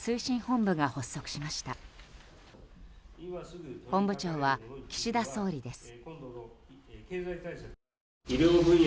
本部長は岸田総理です。